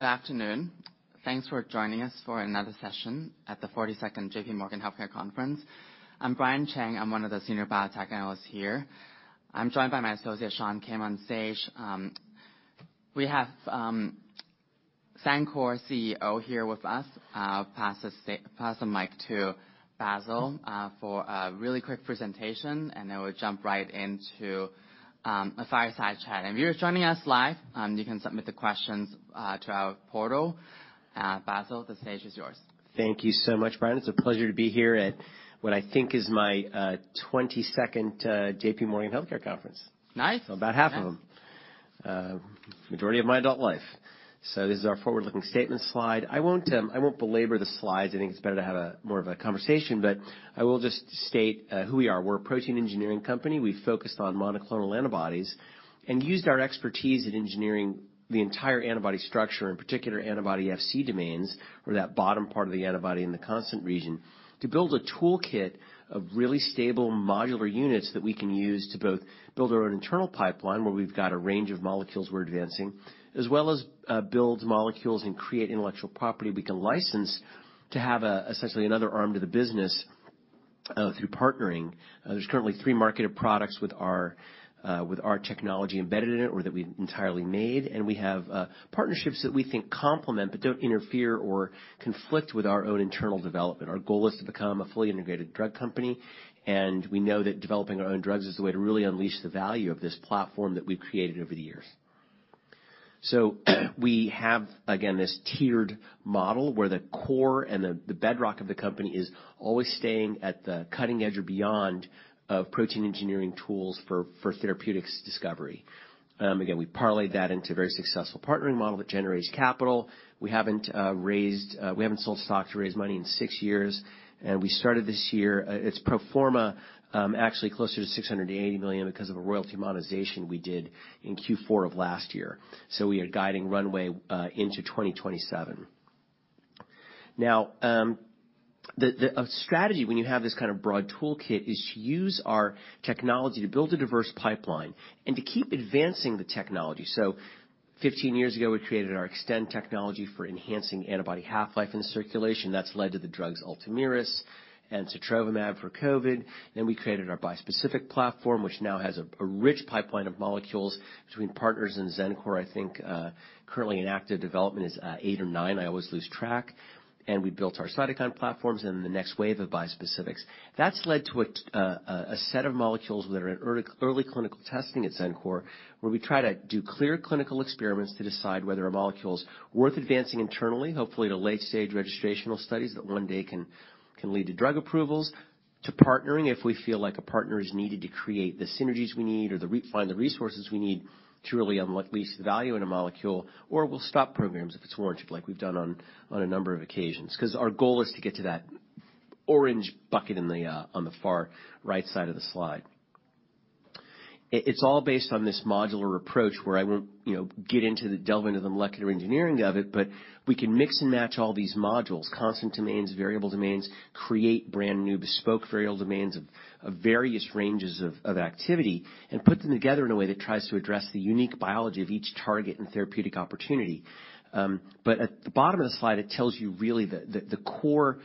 Good afternoon. Thanks for joining us for another session at the 42nd J.P. Morgan Healthcare Conference. I'm Brian Cheng, I'm one of the senior biotech analysts here. I'm joined by my associate, Sean Kim, on stage. We have Xencor CEO here with us. I'll pass the mic to Bassil for a really quick presentation, and then we'll jump right into a fireside chat. If you're joining us live, you can submit the questions to our portal. Bassil, the stage is yours. Thank you so much, Brian. It's a pleasure to be here at what I think is my 22nd J.P. Morgan Healthcare Conference. Nice. So about half of them. Majority of my adult life. So this is our forward-looking statement slide. I won't, I won't belabor the slides. I think it's better to have a more of a conversation, but I will just state who we are. We're a protein engineering company. We've focused on monoclonal antibodies and used our expertise in engineering the entire antibody structure, in particular antibody Fc domains, or that bottom part of the antibody in the constant region, to build a toolkit of really stable modular units that we can use to both build our own internal pipeline, where we've got a range of molecules we're advancing, as well as build molecules and create intellectual property we can license to have essentially another arm to the business through partnering. There's currently three marketed products with our technology embedded in it or that we've entirely made, and we have partnerships that we think complement but don't interfere or conflict with our own internal development. Our goal is to become a fully integrated drug company, and we know that developing our own drugs is the way to really unleash the value of this platform that we've created over the years. So we have, again, this tiered model, where the core and the bedrock of the company is always staying at the cutting edge or beyond of protein engineering tools for therapeutics discovery. Again, we parlayed that into a very successful partnering model that generates capital. We haven't sold stock to raise money in six years, and we started this year. It's pro forma, actually closer to $680 million because of a royalty monetization we did in Q4 of last year, so we are guiding runway into 2027. Now, our strategy, when you have this kind of broad toolkit, is to use our technology to build a diverse pipeline and to keep advancing the technology. So 15 years ago, we created our Xtend technology for enhancing antibody half-life in circulation. That's led to the drugs Ultomiris and sotrovimab for COVID. Then we created our bispecific platform, which now has a rich pipeline of molecules between partners and Xencor. I think, currently in active development is 8 or 9. I always lose track. And we built our cytokine platforms in the next wave of bispecifics. That's led to a set of molecules that are in early clinical testing at Xencor, where we try to do clear clinical experiments to decide whether a molecule's worth advancing internally, hopefully to late-stage registrational studies that one day can lead to drug approvals, to partnering if we feel like a partner is needed to create the synergies we need or to find the resources we need to really unlock, release the value in a molecule, or we'll stop programs if it's warranted, like we've done on a number of occasions. Because our goal is to get to that orange bucket in the, on the far right side of the slide. It's all based on this modular approach where I won't, you know, delve into the molecular engineering of it, but we can mix and match all these modules, constant domains, variable domains, create brand-new bespoke variable domains of various ranges of activity, and put them together in a way that tries to address the unique biology of each target and therapeutic opportunity. But at the bottom of the slide, it tells you really the core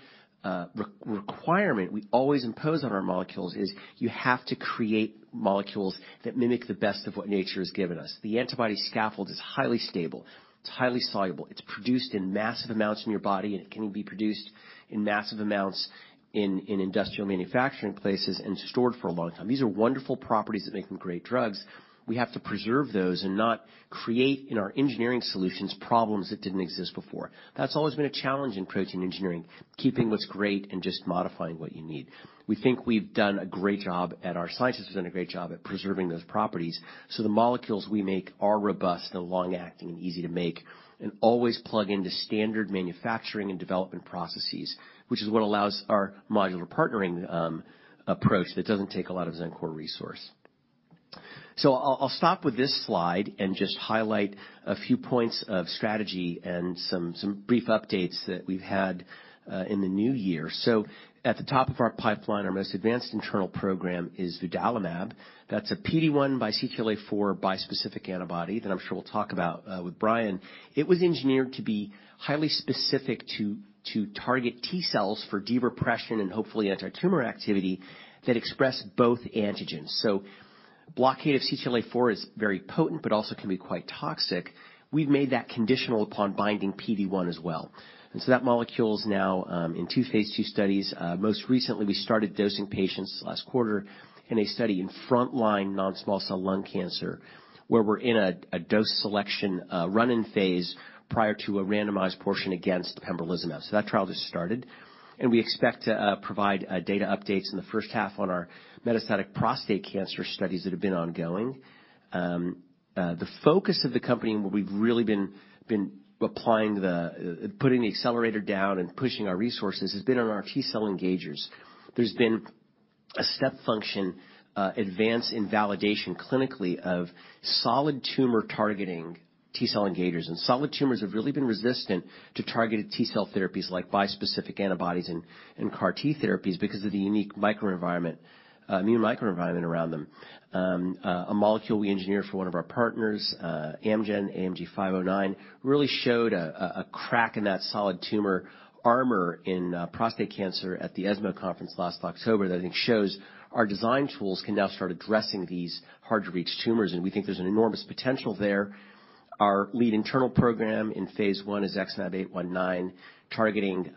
requirement we always impose on our molecules is, you have to create molecules that mimic the best of what nature has given us. The antibody scaffold is highly stable, it's highly soluble, it's produced in massive amounts in your body, and it can be produced in massive amounts in industrial manufacturing places and stored for a long time. These are wonderful properties that make them great drugs. We have to preserve those and not create, in our engineering solutions, problems that didn't exist before. That's always been a challenge in protein engineering, keeping what's great and just modifying what you need. We think we've done a great job, and our scientists have done a great job at preserving those properties, so the molecules we make are robust and long-acting and easy to make, and always plug into standard manufacturing and development processes, which is what allows our modular partnering approach, that doesn't take a lot of Xencor resource. So I'll stop with this slide and just highlight a few points of strategy and some brief updates that we've had in the new year. So at the top of our pipeline, our most advanced internal program is vudalimab. That's a PD-1 by CTLA-4 bispecific antibody that I'm sure we'll talk about with Brian. It was engineered to be highly specific to target T cells for de-repression and hopefully antitumor activity that express both antigens. So blockade of CTLA-4 is very potent, but also can be quite toxic. We've made that conditional upon binding PD-1 as well. And so that molecule is now in two phase 2 studies. Most recently, we started dosing patients last quarter in a study in front-line non-small cell lung cancer, where we're in a dose selection run-in phase prior to a randomized portion against pembrolizumab. So that trial just started, and we expect to provide data updates in the first half on our metastatic prostate cancer studies that have been ongoing. The focus of the company, and where we've really been applying the putting the accelerator down and pushing our resources, has been on our T-cell engagers. There's been a step function advance in validation clinically of solid tumor-targeting T-cell engagers. And solid tumors have really been resistant to targeted T-cell therapies like bispecific antibodies and CAR T therapies because of the unique immune microenvironment around them. A molecule we engineered for one of our partners, Amgen, AMG 509, really showed a crack in that solid tumor armor in prostate cancer at the ESMO conference last October, that I think shows our design tools can now start addressing these hard-to-reach tumors, and we think there's an enormous potential there. Our lead internal program in phase one is XmAb819, targeting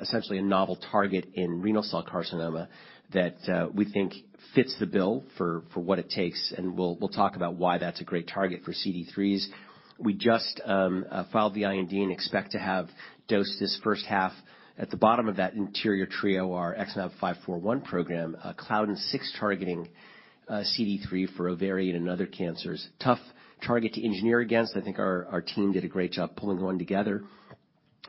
essentially a novel target in renal cell carcinoma that we think fits the bill for what it takes, and we'll talk about why that's a great target for CD3s. We just filed the IND and expect to have dosed this first half. At the bottom of that interior trio, our XmAb541 program, Claudin-6 targeting CD3 for ovarian and other cancers. Tough target to engineer against. I think our team did a great job pulling one together.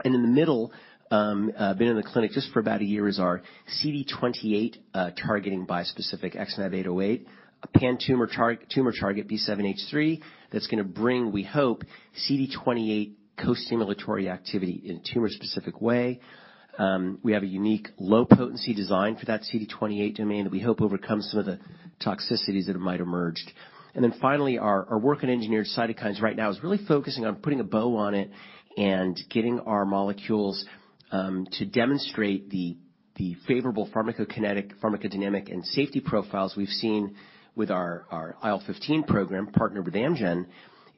In the middle, been in the clinic just for about a year, is our CD28-targeting bispecific XmAb808, a pan-tumor target, B7-H3, that's gonna bring, we hope, CD28 co-stimulatory activity in a tumor-specific way. We have a unique low potency design for that CD28 domain that we hope overcomes some of the toxicities that might have emerged. And then finally, our work in engineered cytokines right now is really focusing on putting a bow on it and getting our molecules to demonstrate the favorable pharmacokinetic, pharmacodynamic, and safety profiles we've seen with our IL-15 program, partnered with Amgen,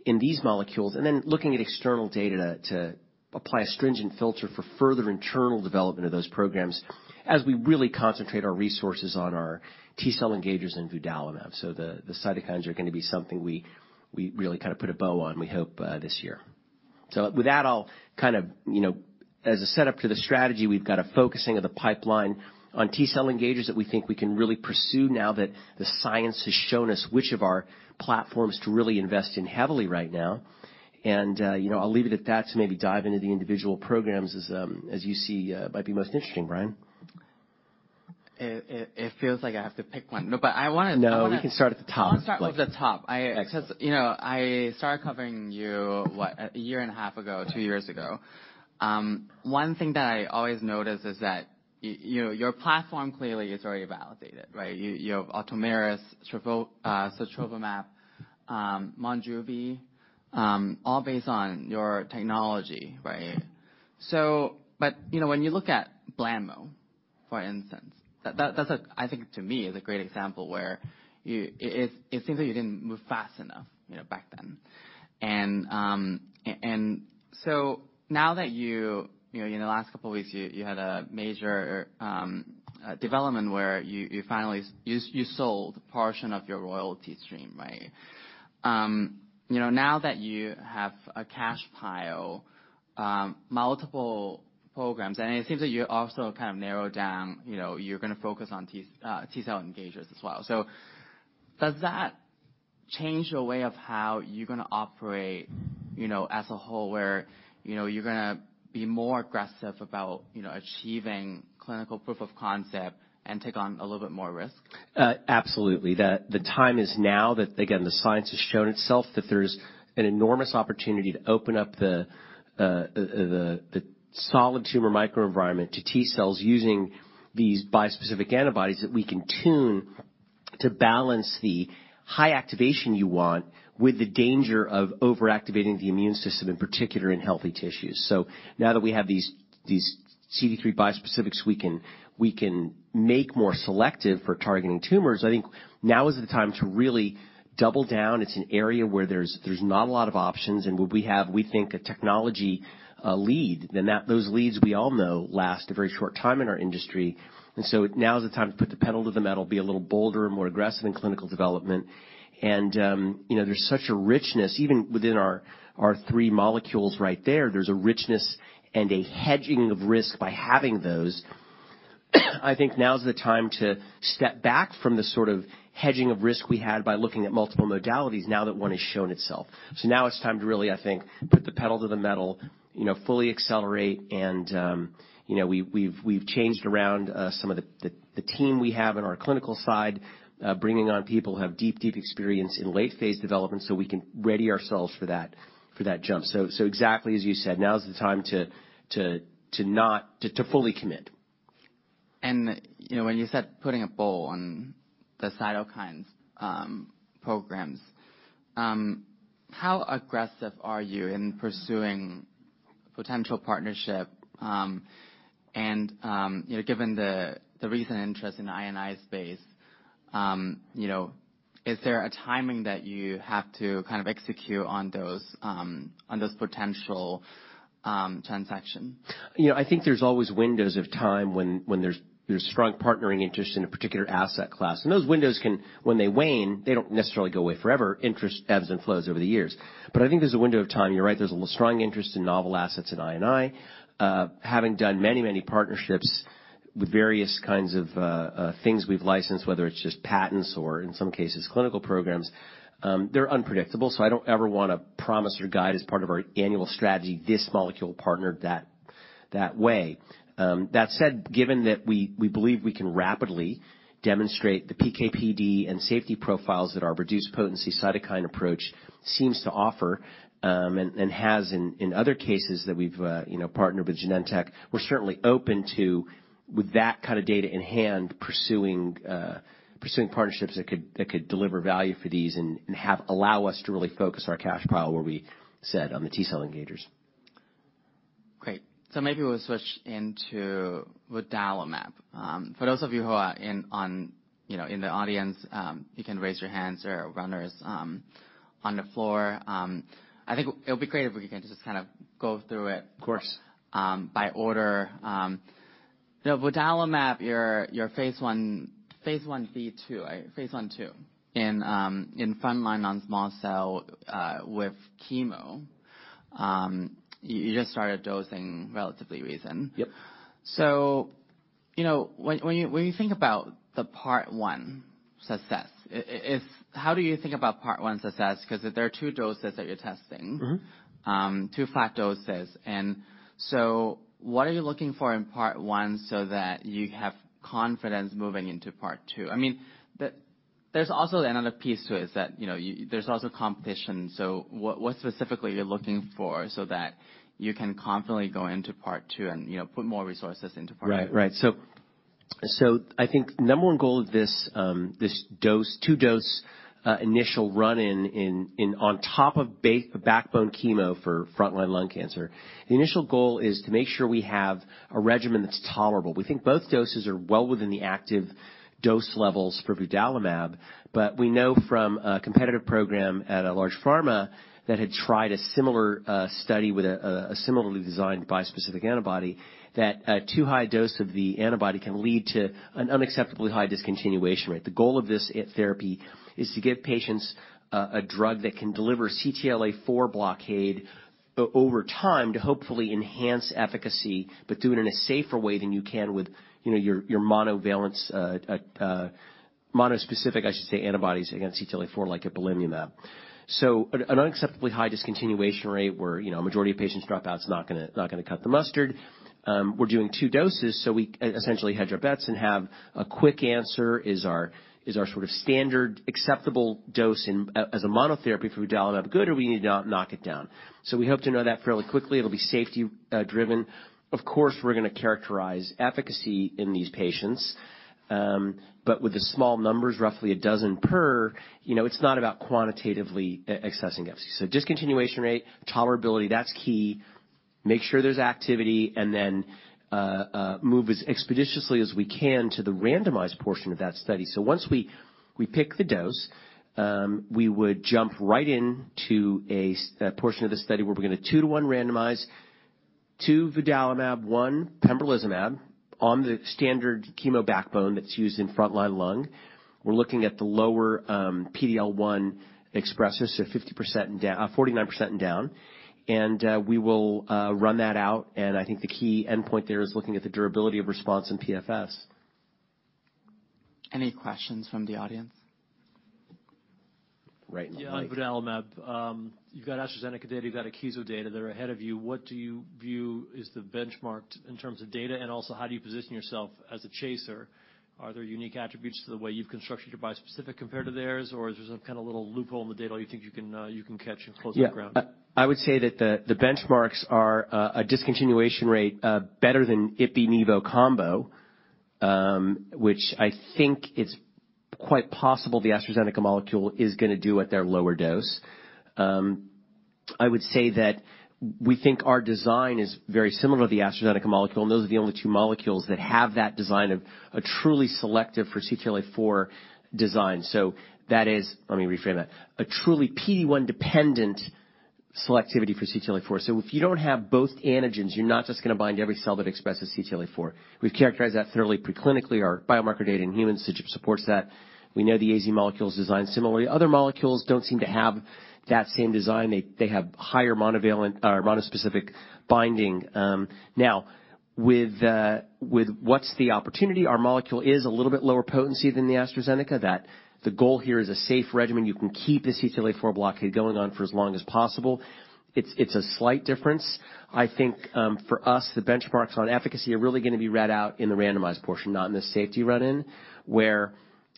in these molecules. And then looking at external data to apply a stringent filter for further internal development of those programs as we really concentrate our resources on our T-cell engagers and vudalimab. So the cytokines are gonna be something we really kind of put a bow on, we hope, this year. So with that, I'll kind of, you know... As a setup to the strategy, we've got a focusing of the pipeline on T-cell engagers that we think we can really pursue now that the science has shown us which of our platforms to really invest in heavily right now. And, you know, I'll leave it at that, to maybe dive into the individual programs as, as you see, might be most interesting, Brian. It feels like I have to pick one. No, but I wanna- No, we can start at the top. I'll start with the top. Excellent. 'Cause, you know, I started covering you, what, a year and a half ago, two years ago. One thing that I always notice is that you know, your platform clearly is already validated, right? You have Ultomiris, sotrovimab, Monjuvi, all based on your technology, right? So but, you know, when you look at plamotamab, for instance, that, that's a, I think to me, is a great example where it seems like you didn't move fast enough, you know, back then. And so now that you know, in the last couple of weeks, you had a major development where you finally sold a portion of your royalty stream, right? You know, now that you have a cash pile, multiple programs, and it seems like you also kind of narrowed down, you know, you're gonna focus on T-cell engagers as well. So does that change your way of how you're gonna operate, you know, as a whole, where, you know, you're gonna be more aggressive about, you know, achieving clinical proof of concept and take on a little bit more risk? Absolutely. The time is now that, again, the science has shown itself that there's an enormous opportunity to open up the solid tumor microenvironment to T cells using these bispecific antibodies that we can tune to balance the high activation you want, with the danger of overactivating the immune system, in particular in healthy tissues. So now that we have these CD3 bispecifics, we can make more selective for targeting tumors. I think now is the time to really double down. It's an area where there's not a lot of options, and what we have, we think, a technology lead. And those leads, we all know, last a very short time in our industry. And so now is the time to put the pedal to the metal, be a little bolder and more aggressive in clinical development. You know, there's such a richness, even within our three molecules right there. There's a richness and a hedging of risk by having those. I think now's the time to step back from the sort of hedging of risk we had by looking at multiple modalities now that one has shown itself. So now it's time to really, I think, put the pedal to the metal, you know, fully accelerate. And, you know, we've changed around some of the team we have on our clinical side, bringing on people who have deep experience in late phase development, so we can ready ourselves for that jump. So exactly as you said, now is the time to fully commit. You know, when you said putting a bow on the cytokines programs, how aggressive are you in pursuing potential partnership? You know, given the recent interest in the I&I space, you know, is there a timing that you have to kind of execute on those potential transaction? You know, I think there's always windows of time when there's strong partnering interest in a particular asset class. And those windows can, when they wane, they don't necessarily go away forever. Interest ebbs and flows over the years. But I think there's a window of time, you're right, there's a little strong interest in novel assets in I&I. Having done many, many partnerships with various kinds of things we've licensed, whether it's just patents or in some cases, clinical programs, they're unpredictable, so I don't ever wanna promise or guide as part of our annual strategy, this molecule partnered that way. That said, given that we believe we can rapidly demonstrate the PK/PD and safety profiles that our reduced potency cytokine approach seems to offer, and has in other cases that we've, you know, partnered with Genentech, we're certainly open to, with that kind of data in hand, pursuing partnerships that could deliver value for these and allow us to really focus our cash pile where we said on the T-cell engagers.... Great. So maybe we'll switch into vudalimab. For those of you who are in, on, you know, in the audience, you can raise your hands or runners, on the floor. I think it'll be great if we can just kind of go through it- Of course. By order. The vudalimab, your phase 1b/2, phase 1/2, in frontline non-small cell with chemo. You just started dosing relatively recent. Yep. So, you know, when you think about the Part 1 success, how do you think about Part 1 success? Because there are two doses that you're testing. Mm-hmm. Two flat doses. And so what are you looking for in part one so that you have confidence moving into part two? I mean, there's also another piece to it is that, you know, you, there's also competition. So what, what specifically are you looking for so that you can confidently go into part two and, you know, put more resources into part two? Right. So, I think number one goal of this, this two-dose initial run-in on top of backbone chemo for frontline lung cancer, the initial goal is to make sure we have a regimen that's tolerable. We think both doses are well within the active dose levels for vudalimab, but we know from a competitive program at a large pharma that had tried a similar study with a similarly designed bispecific antibody, that a too high dose of the antibody can lead to an unacceptably high discontinuation rate. The goal of this therapy is to give patients a drug that can deliver CTLA-4 blockade over time to hopefully enhance efficacy, but do it in a safer way than you can with, you know, your monovalent, I should say, monospecific antibodies against CTLA-4, like ipilimumab. So an unacceptably high discontinuation rate where, you know, a majority of patients drop out is not gonna cut the mustard. We're doing two doses, so we essentially hedge our bets and have a quick answer, is our sort of standard acceptable dose in, as a monotherapy for vudalimab good, or we need to knock it down? So we hope to know that fairly quickly. It'll be safety driven. Of course, we're gonna characterize efficacy in these patients, but with the small numbers, roughly 12 per, you know, it's not about quantitatively assessing efficacy. So discontinuation rate, tolerability, that's key. Make sure there's activity, and then move as expeditiously as we can to the randomized portion of that study. So once we pick the dose, we would jump right into a portion of the study where we're gonna 2-to-1 randomize, two vudalimab, one pembrolizumab, on the standard chemo backbone that's used in frontline lung. We're looking at the lower, PD-L1 expressor, so 50% and down, forty-nine percent and down. And we will run that out, and I think the key endpoint there is looking at the durability of response in PFS. Any questions from the audience? Right. Yeah, on vudalimab. You've got AstraZeneca data, you've got atezolizumab data. They're ahead of you. What do you view is the benchmark in terms of data, and also, how do you position yourself as a chaser? Are there unique attributes to the way you've constructed your bispecific compared to theirs, or is there some kind of little loophole in the data you think you can catch and close up ground? Yeah. I would say that the benchmarks are a discontinuation rate better than Ipi/Nivo combo, which I think is quite possible the AstraZeneca molecule is gonna do at their lower dose. I would say that we think our design is very similar to the AstraZeneca molecule, and those are the only two molecules that have that design of a truly selective for CTLA-4 design. So that is... Let me reframe that. A truly PD-1 dependent selectivity for CTLA-4. So if you don't have both antigens, you're not just gonna bind every cell that expresses CTLA-4. We've characterized that thoroughly preclinically. Our biomarker data in humans supports that. We know the AZ molecule is designed similarly. Other molecules don't seem to have that same design. They have higher monovalent, or monospecific binding. Now, with what's the opportunity? Our molecule is a little bit lower potency than the AstraZeneca. That the goal here is a safe regimen. You can keep this CTLA-4 blockade going on for as long as possible. It's a slight difference. I think for us, the benchmarks on efficacy are really gonna be read out in the randomized portion, not in the safety run-in, where,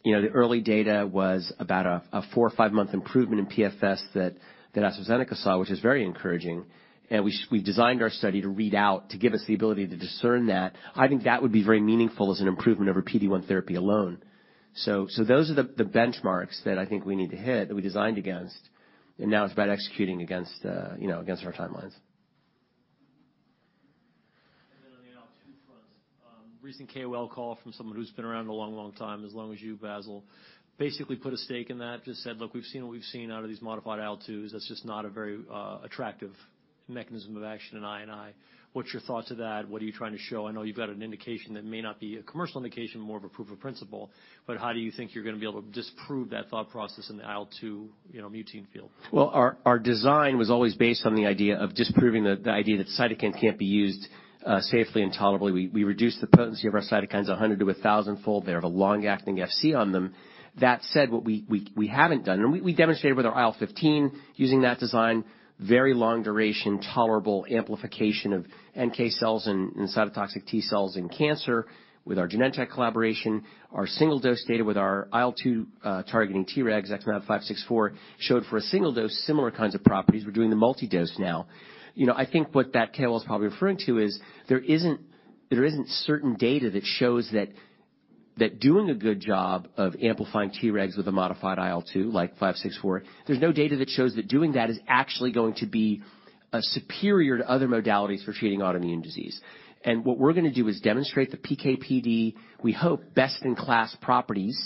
you know, the early data was about a 4- or 5-month improvement in PFS that AstraZeneca saw, which is very encouraging. And we designed our study to read out, to give us the ability to discern that. I think that would be very meaningful as an improvement over PD-1 therapy alone. So those are the benchmarks that I think we need to hit, that we designed against, and now it's about executing against, you know, against our timelines. And then on the IL-2 front, recent KOL call from someone who's been around a long, long time, as long as you, Bassil, basically put a stake in that. Just said: Look, we've seen what we've seen out of these modified IL-2s. That's just not a very attractive mechanism of action in I&I. What's your thoughts of that? What are you trying to show? I know you've got an indication that may not be a commercial indication, more of a proof of principle, but how do you think you're gonna be able to disprove that thought process in the IL-2, you know, mutant field? Well, our design was always based on the idea of disproving the idea that cytokines can't be used safely and tolerably. We reduced the potency of our cytokines 100- to 1,000-fold. They have a long-acting Fc on them. That said, what we haven't done, and we demonstrated with our IL-15, using that design, very long duration, tolerable amplification of NK cells and cytotoxic T cells in cancer with our Genentech collaboration. Our single dose data with our IL-2 targeting Tregs, XmAb564, showed for a single dose, similar kinds of properties. We're doing the multi-dose now. You know, I think what that KOL is probably referring to is there isn't certain data that shows that-... that doing a good job of amplifying Tregs with a modified IL-2, like 564, there's no data that shows that doing that is actually going to be superior to other modalities for treating autoimmune disease. And what we're gonna do is demonstrate the PK/PD, we hope, best-in-class properties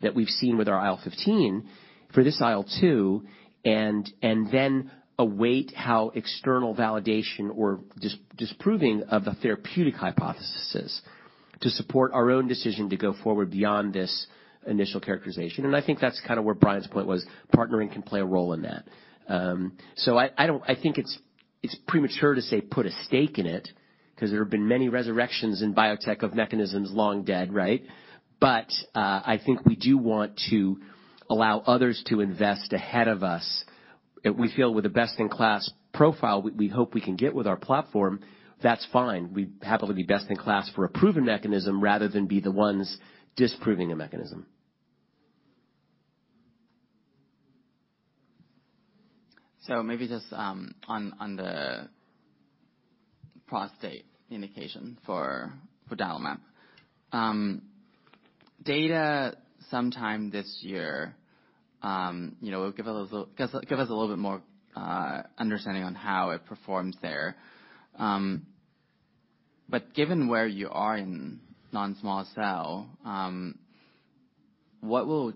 that we've seen with our IL-15 for this IL-2, and then await how external validation or disproving of the therapeutic hypothesis to support our own decision to go forward beyond this initial characterization. And I think that's kinda where Brian's point was, partnering can play a role in that. So I don't I think it's premature to say put a stake in it, 'cause there have been many resurrections in biotech of mechanisms long dead, right? But I think we do want to allow others to invest ahead of us. We feel with a best-in-class profile, we hope we can get with our platform, that's fine. We'd happily be best in class for a proven mechanism, rather than be the ones disproving a mechanism. So maybe just on the prostate indication for vudalimab. Data sometime this year, you know, will give us a little bit more understanding on how it performs there. But given where you are in non-small cell, what will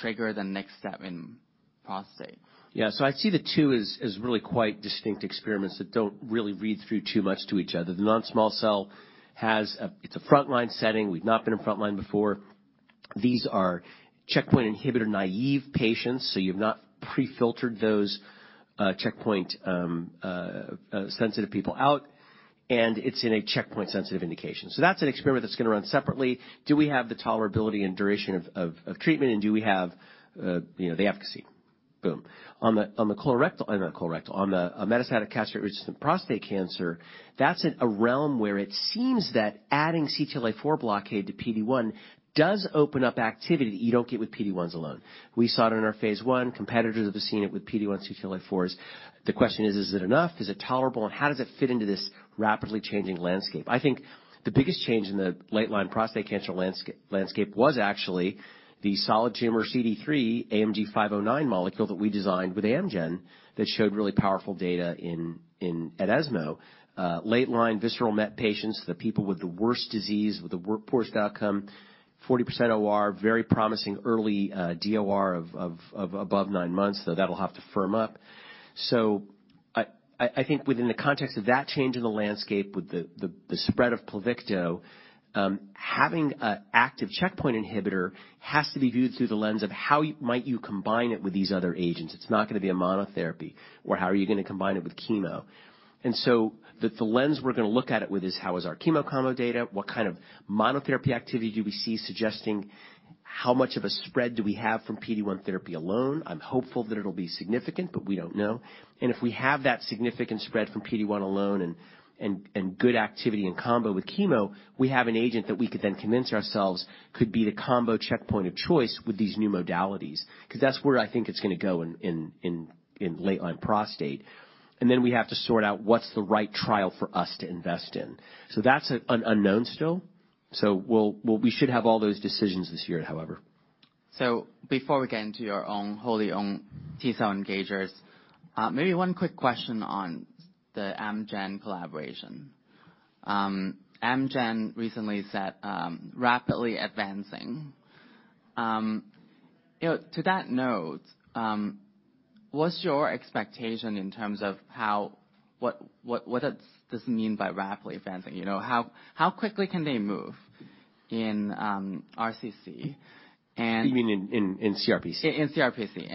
trigger the next step in prostate? Yeah. So I see the two as really quite distinct experiments that don't really read through too much to each other. The non-small cell has a—it's a frontline setting. We've not been in frontline before. These are checkpoint inhibitor-naive patients, so you've not pre-filtered those checkpoint sensitive people out, and it's in a checkpoint-sensitive indication. So that's an experiment that's gonna run separately. Do we have the tolerability and duration of treatment, and do we have, you know, the efficacy? Boom. On the metastatic castrate-resistant prostate cancer, that's in a realm where it seems that adding CTLA-4 blockade to PD-1 does open up activity that you don't get with PD-1s alone. We saw it in our phase one, competitors have seen it with PD-1 CTLA-4s. The question is, is it enough? Is it tolerable, and how does it fit into this rapidly changing landscape? I think the biggest change in the late-line prostate cancer landscape was actually the solid tumor CD3 AMG 509 molecule that we designed with Amgen, that showed really powerful data at ESMO. Late-line visceral met patients, the people with the worst disease, with the worst outcome, 40% OR, very promising early DOR of above 9 months, though that'll have to firm up. So I think within the context of that change in the landscape, with the spread of Pluvicto, having an active checkpoint inhibitor has to be viewed through the lens of how might you combine it with these other agents. It's not gonna be a monotherapy, or how are you gonna combine it with chemo? And so, the lens we're gonna look at it with is, how is our chemo combo data? What kind of monotherapy activity do we see suggesting? How much of a spread do we have from PD-1 therapy alone? I'm hopeful that it'll be significant, but we don't know. And if we have that significant spread from PD-1 alone and, and, and good activity in combo with chemo, we have an agent that we could then convince ourselves could be the combo checkpoint of choice with these new modalities. 'Cause that's where I think it's gonna go in, in, in, in late-line prostate. And then we have to sort out what's the right trial for us to invest in. So that's an, an unknown still. So we'll, we'll - we should have all those decisions this year, however. So before we get into your own, wholly owned T-cell engagers, maybe one quick question on the Amgen collaboration. Amgen recently said, "rapidly advancing." You know, to that note, what's your expectation in terms of how-- what, what, what does this mean by rapidly advancing? You know, how, how quickly can they move in, RCC, and- You mean in CRPC? In CRPC.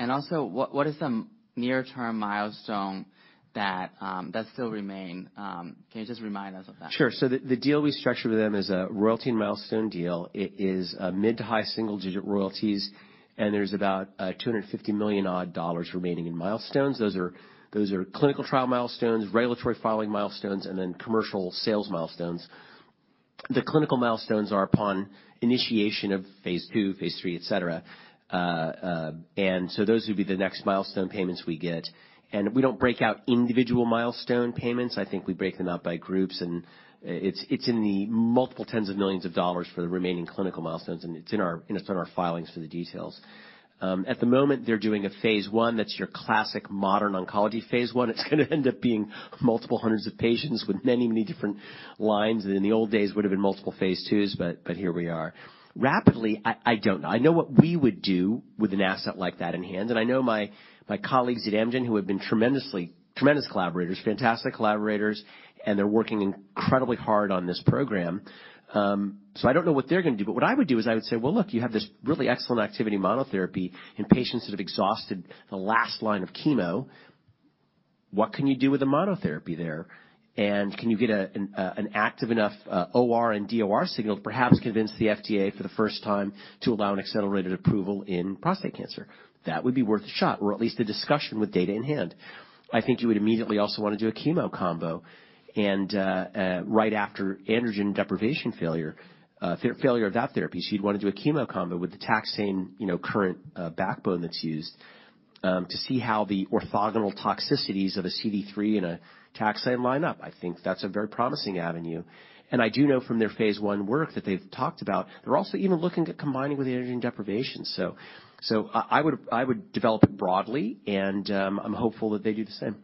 And also, what is the near-term milestone that still remain? Can you just remind us of that? Sure. So the deal we structured with them is a royalty and milestone deal. It is mid- to high single-digit royalties, and there's about $250 million remaining in milestones. Those are clinical trial milestones, regulatory filing milestones, and then commercial sales milestones. The clinical milestones are upon initiation of phase II, phase III, etc. And so those would be the next milestone payments we get. We don't break out individual milestone payments. I think we break them out by groups, and it's in the multiple tens of millions of dollars for the remaining clinical milestones, and it's in our filings for the details. At the moment, they're doing a phase I, that's your classic modern oncology phase I. It's gonna end up being multiple hundreds of patients with many, many different lines. In the old days, it would've been multiple Phase IIs, but here we are. Rapidly, I don't know. I know what we would do with an asset like that in hand, and I know my colleagues at Amgen, who have been tremendous collaborators, fantastic collaborators, and they're working incredibly hard on this program. So I don't know what they're gonna do, but what I would do is I would say: Well, look, you have this really excellent activity monotherapy in patients that have exhausted the last line of chemo. What can you do with a monotherapy there? And can you get an active enough OR and DOR signal to perhaps convince the FDA for the first time to allow an accelerated approval in prostate cancer? That would be worth a shot, or at least a discussion with data in hand. I think you would immediately also want to do a chemo combo, and right after androgen deprivation failure of that therapy, she'd wanna do a chemo combo with the taxane, you know, current backbone that's used to see how the orthogonal toxicities of a CD3 and a taxane line up. I think that's a very promising avenue, and I do know from their phase I work that they've talked about, they're also even looking at combining with the androgen deprivation. So I would develop it broadly, and I'm hopeful that they do the same.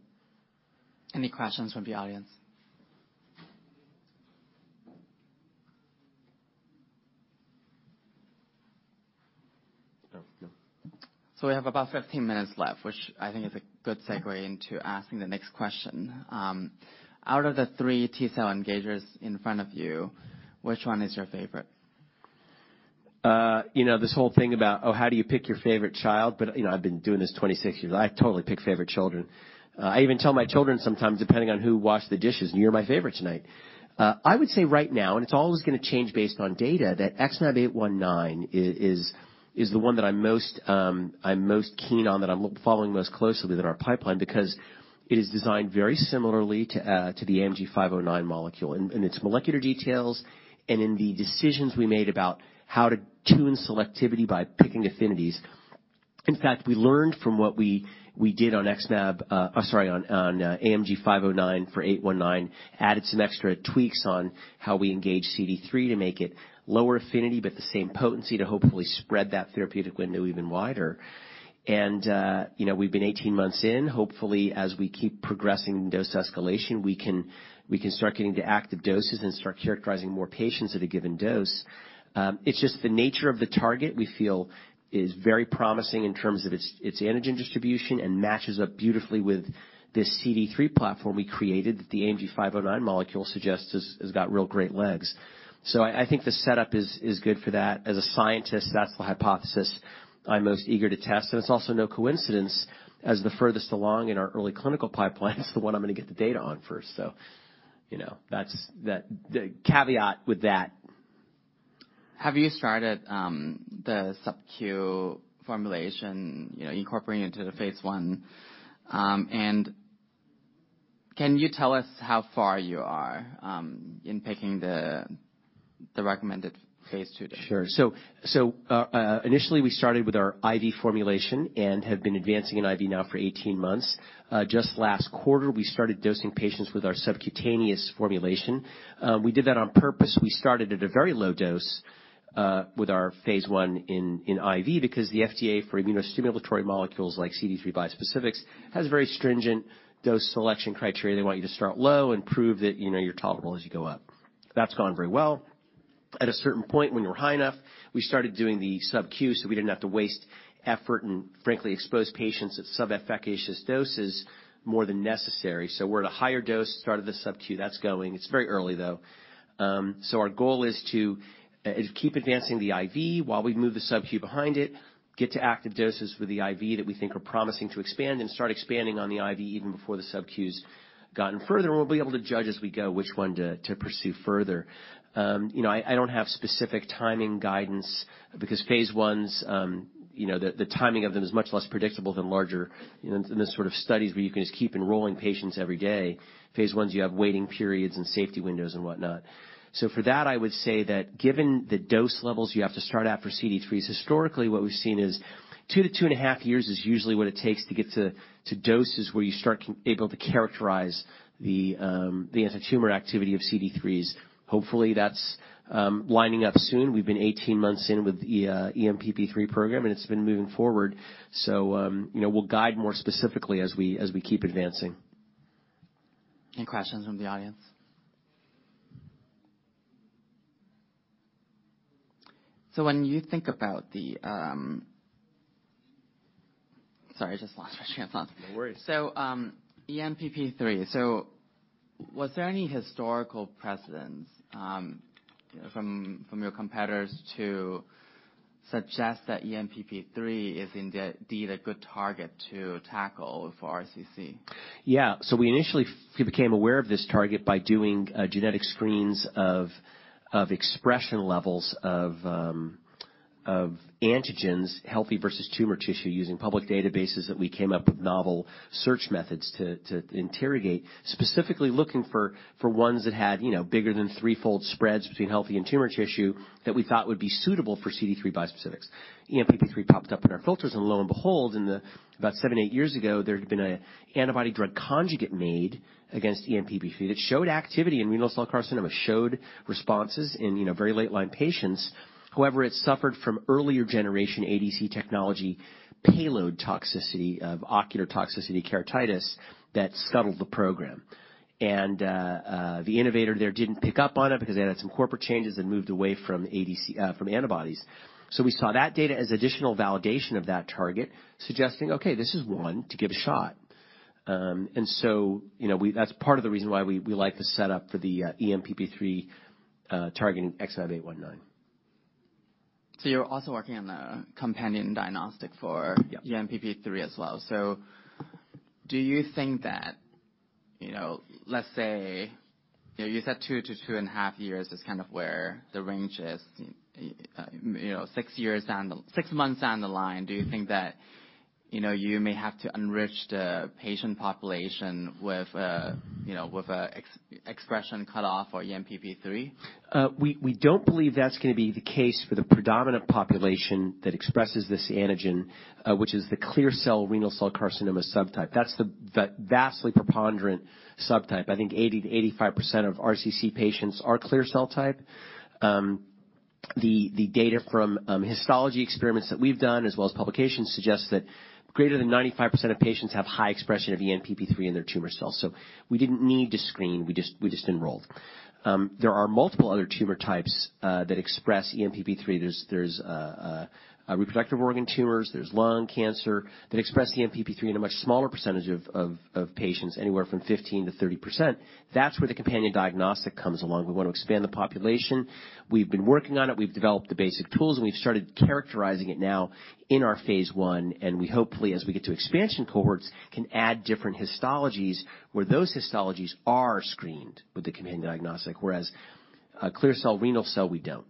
Any questions from the audience? We have about 15 minutes left, which I think is a good segue into asking the next question. Out of the three T-cell engagers in front of you, which one is your favorite? You know, this whole thing about, oh, how do you pick your favorite child? But, you know, I've been doing this 26 years. I totally pick favorite children. I would say right now, and it's always gonna change based on data, that XmAb819 is the one that I'm most keen on, that I'm following most closely in our pipeline, because it is designed very similarly to the AMG 509 molecule in its molecular details and in the decisions we made about how to tune selectivity by picking affinities. In fact, we learned from what we did on XmAb... AMG 509 for 819, added some extra tweaks on how we engage CD3 to make it lower affinity, but the same potency, to hopefully spread that therapeutic window even wider. And, you know, we've been 18 months in. Hopefully, as we keep progressing dose escalation, we can start getting to active doses and start characterizing more patients at a given dose. It's just the nature of the target we feel is very promising in terms of its antigen distribution and matches up beautifully with this CD3 platform we created, that the AMG 509 molecule suggests has got real great legs. So I think the setup is good for that. As a scientist, that's the hypothesis I'm most eager to test, and it's also no coincidence, as the furthest along in our early clinical pipeline, it's the one I'm gonna get the data on first. So, you know, that's the caveat with that. Have you started the SubQ formulation, you know, incorporating into the phase I, and can you tell us how far you are in picking the recommended phase II? Sure. So, initially, we started with our IV formulation and have been advancing in IV now for 18 months. Just last quarter, we started dosing patients with our subcutaneous formulation. We did that on purpose. We started at a very low dose with our phase I in IV because the FDA for immunostimulatory molecules, like CD3 bispecifics, has a very stringent dose selection criteria. They want you to start low and prove that, you know, you're tolerable as you go up. That's gone very well. At a certain point, when we were high enough, we started doing the SubQ, so we didn't have to waste effort and, frankly, expose patients at sub-efficacious doses more than necessary. So we're at a higher dose, started the SubQ. That's going. It's very early, though. So our goal is to keep advancing the IV while we move the SubQ behind it, get to active doses with the IV that we think are promising to expand, and start expanding on the IV even before the SubQ's gotten further, and we'll be able to judge as we go, which one to pursue further. You know, I don't have specific timing guidance because phase I's, you know, the timing of them is much less predictable than larger, you know, than the sort of studies where you can just keep enrolling patients every day. Phase I's, you have waiting periods and safety windows and whatnot. So for that, I would say that given the dose levels you have to start at for CD3s, historically, what we've seen is 2-2.5 years is usually what it takes to get to doses where you start able to characterize the antitumor activity of CD3s. Hopefully, that's lining up soon. We've been 18 months in with the ENPP3 program, and it's been moving forward, so you know, we'll guide more specifically as we keep advancing. Any questions from the audience? So when you think about the... Sorry, I just lost my train of thought. No worries. ENPP3, was there any historical precedent from your competitors to suggest that ENPP3 is indeed a good target to tackle for RCC? Yeah. So we initially became aware of this target by doing genetic screens of expression levels of antigens, healthy versus tumor tissue, using public databases that we came up with novel search methods to interrogate, specifically looking for ones that had, you know, bigger than threefold spreads between healthy and tumor tissue that we thought would be suitable for CD3 bispecifics. ENPP3 popped up in our filters, and lo and behold, about 7-8 years ago, there had been a antibody drug conjugate made against ENPP3 that showed activity in renal cell carcinoma, showed responses in, you know, very late-line patients. However, it suffered from earlier-generation ADC technology payload toxicity of ocular toxicity keratitis that scuttled the program. And the innovator there didn't pick up on it because they had some corporate changes and moved away from ADC- from antibodies. So we saw that data as additional validation of that target, suggesting, "Okay, this is one to give a shot." And so, you know, that's part of the reason why we like the setup for the ENPP3 targeting XmAb819. So you're also working on a companion diagnostic for- Yep. ENPP3 as well. So do you think that, you know, let's say, you know, you said 2-2.5 years is kind of where the range is. You know, 6 months down the line, do you think that you know, you may have to enrich the patient population with, you know, with an expression cutoff for ENPP3? We don't believe that's gonna be the case for the predominant population that expresses this antigen, which is the clear cell renal cell carcinoma subtype. That's the vastly preponderant subtype. I think 80%-85% of RCC patients are clear cell type. The data from histology experiments that we've done, as well as publications, suggest that greater than 95% of patients have high expression of ENPP3 in their tumor cells, so we didn't need to screen, we just enrolled. There are multiple other tumor types that express ENPP3. There's reproductive organ tumors, there's lung cancer that express ENPP3 in a much smaller percentage of patients, anywhere from 15%-30%. That's where the companion diagnostic comes along. We want to expand the population. We've been working on it, we've developed the basic tools, and we've started characterizing it now in our phase 1, and we hopefully, as we get to expansion cohorts, can add different histologies, where those histologies are screened with the companion diagnostic, whereas clear cell renal cell, we don't.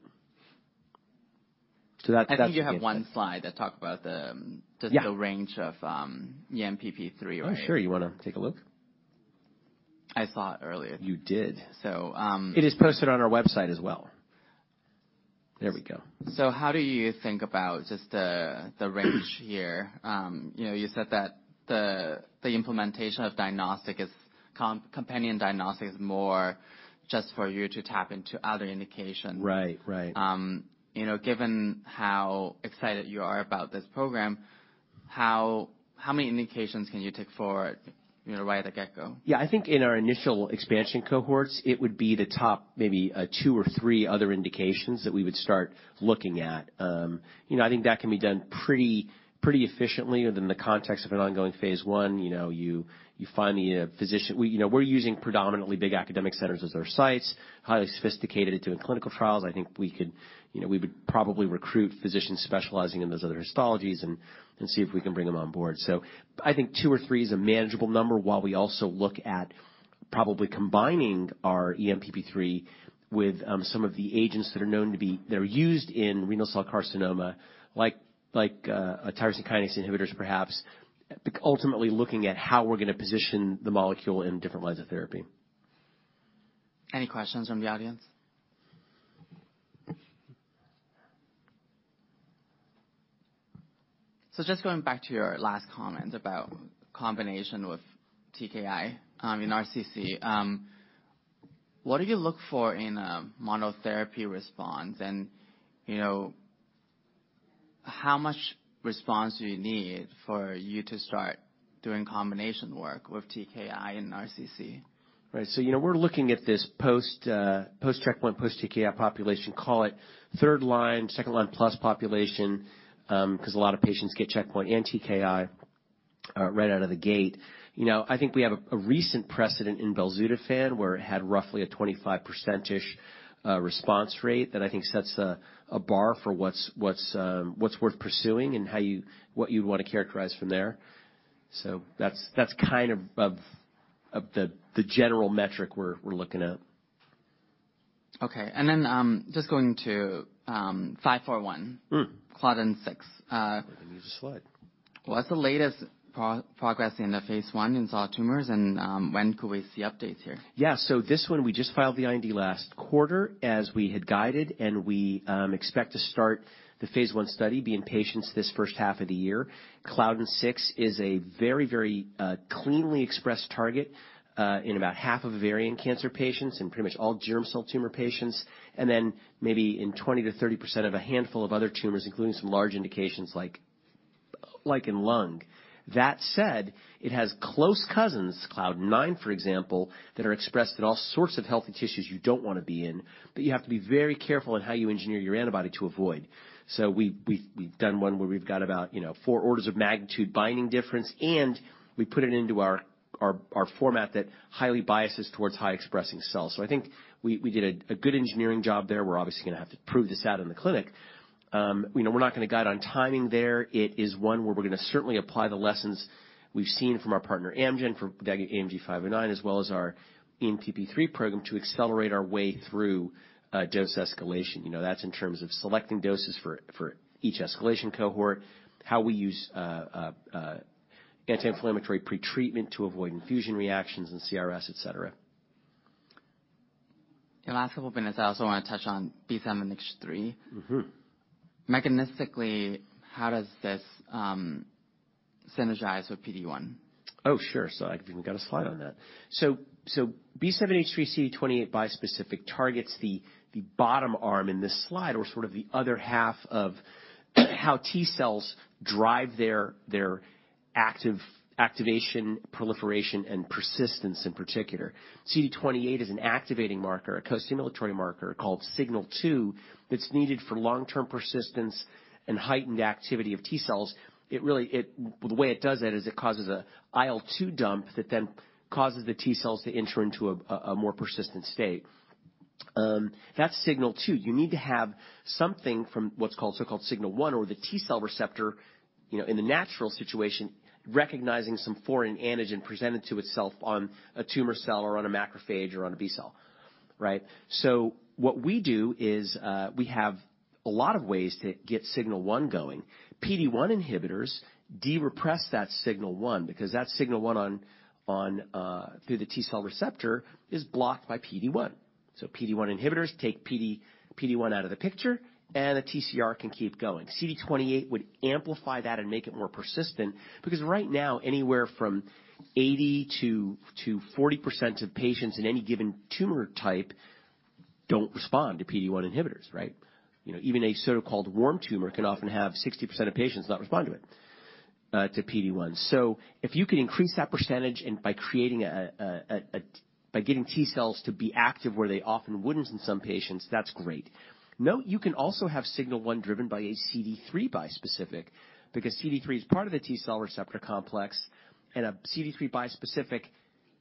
So that's- I think you have one slide that talk about the- Yeah. -just the range of ENPP3, right? Oh, sure. You wanna take a look? I saw it earlier. You did. So, um- It is posted on our website as well. There we go. So how do you think about just the range here? You know, you said that the implementation of companion diagnostic is more just for you to tap into other indications. Right. Right. You know, given how excited you are about this program, how many indications can you take forward, you know, right at the get-go? Yeah. I think in our initial expansion cohorts, it would be the top, maybe, two or three other indications that we would start looking at. You know, I think that can be done pretty, pretty efficiently within the context of an ongoing phase 1. You know, you find the physician... We, you know, we're using predominantly big academic centers as our sites, highly sophisticated at doing clinical trials. I think we could, you know, we would probably recruit physicians specializing in those other histologies and, and see if we can bring them on board. So I think two or three is a manageable number, while we also look at probably combining our ENPP3 with some of the agents that are known to be that are used in renal cell carcinoma, like, like tyrosine kinase inhibitors, perhaps. Ultimately, looking at how we're gonna position the molecule in different lines of therapy. Any questions from the audience? So just going back to your last comment about combination with TKI, in RCC. What do you look for in a monotherapy response? And, you know, how much response do you need for you to start doing combination work with TKI in RCC? Right. So, you know, we're looking at this post, post-checkpoint, post-TKI population, call it third line, second line plus population, 'cause a lot of patients get checkpoint and TKI, right out of the gate. You know, I think we have a recent precedent in belzutifan, where it had roughly a 25%-ish response rate, that I think sets a bar for what's worth pursuing and what you'd want to characterize from there. So that's kind of the general metric we're looking at. Okay. And then, just going to 541. Mm. Claudin-six. Uh- We need a slide. What's the latest progress in the phase one in solid tumors, and when could we see updates here? Yeah. So this one, we just filed the IND last quarter, as we had guided, and we expect to start the phase 1 study, be in patients this first half of the year. Claudin-6 is a very, very cleanly expressed target in about half of ovarian cancer patients and pretty much all germ cell tumor patients, and then maybe in 20%-30% of a handful of other tumors, including some large indications, like in lung. That said, it has close cousins, Claudin-9, for example, that are expressed in all sorts of healthy tissues you don't wanna be in, but you have to be very careful in how you engineer your antibody to avoid. So we we've done one where we've got about, you know, four orders of magnitude binding difference, and we put it into our format that highly biases towards high expressing cells. So I think we did a good engineering job there. We're obviously gonna have to prove this out in the clinic. We know we're not gonna guide on timing there. It is one where we're gonna certainly apply the lessons we've seen from our partner, Amgen, for AMG-509, as well as our ENPP3 program, to accelerate our way through dose escalation. You know, that's in terms of selecting doses for each escalation cohort, how we use anti-inflammatory pretreatment to avoid infusion reactions and CRS, et cetera. The last couple minutes, I also wanna touch on B7-H3. Mm-hmm. Mechanistically, how does this synergize with PD-1? Oh, sure. So I've even got a slide on that. So, so B7-H3 CD28 bispecific targets the, the bottom arm in this slide, or sort of the other half of how T cells drive their, their active... activation, proliferation, and persistence in particular. CD28 is an activating marker, a costimulatory marker called Signal-2. It's needed for long-term persistence and heightened activity of T cells. It really, it, the way it does that is it causes a IL-2 dump that then causes the T cells to enter into a, a more persistent state. That's Signal-2. You need to have something from what's called, so-called Signal-1, or the T cell receptor, you know, in the natural situation, recognizing some foreign antigen presented to itself on a tumor cell or on a macrophage or on a B-cell, right? So what we do is, we have a lot of ways to get signal one going. PD-1 inhibitors de-repress that signal one, because that signal one on through the T-cell receptor is blocked by PD-1. So PD-1 inhibitors take PD-1 out of the picture, and the TCR can keep going. CD28 would amplify that and make it more persistent, because right now, anywhere from 80%-40% of patients in any given tumor type don't respond to PD-1 inhibitors, right? You know, even a so-called warm tumor can often have 60% of patients not respond to it, to PD-1. So if you could increase that percentage and by creating, by getting T-cells to be active where they often wouldn't in some patients, that's great. Note, you can also have signal one driven by a CD3 bispecific, because CD3 is part of the T-cell receptor complex, and a CD3 bispecific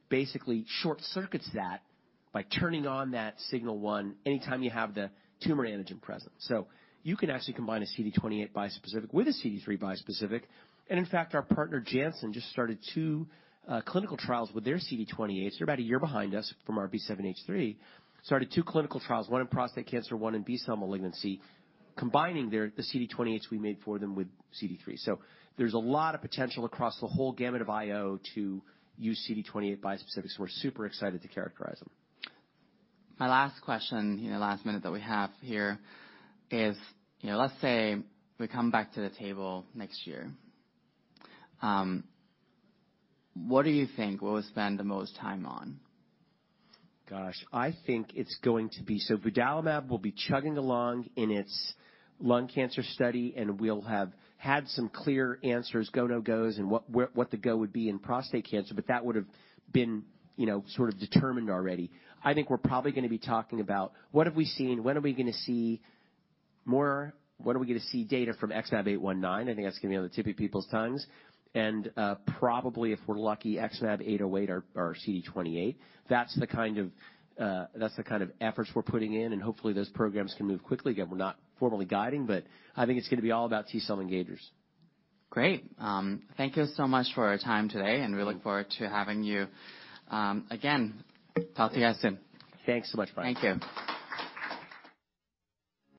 basically short-circuits that by turning on that signal one anytime you have the tumor antigen present. So you can actually combine a CD28 bispecific with a CD3 bispecific, and in fact, our partner, Janssen, just started two clinical trials with their CD28. They're about a year behind us from our B7-H3, started two clinical trials, one in prostate cancer, one in B-cell malignancy, combining their, the CD28s we made for them with CD3. So there's a lot of potential across the whole gamut of IO to use CD28 bispecifics. We're super excited to characterize them. My last question, in the last minute that we have here, is, you know, let's say we come back to the table next year. What do you think we'll spend the most time on? Gosh, I think it's going to be... So vudalimab will be chugging along in its lung cancer study, and we'll have had some clear answers, go, no-gos, and what, what the go would be in prostate cancer, but that would've been, you know, sort of determined already. I think we're probably gonna be talking about what have we seen, when are we gonna see more, when are we gonna see data from XmAb819? I think that's gonna be on the tip of people's tongues. And, probably, if we're lucky, XmAb808 or, or CD28. That's the kind of, that's the kind of efforts we're putting in, and hopefully, those programs can move quickly. Again, we're not formally guiding, but I think it's gonna be all about T-cell engagers. Great. Thank you so much for your time today, and we look forward to having you, again, talk to you soon. Thanks so much, Brian. Thank you.